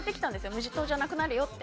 無人島じゃなくなるよって。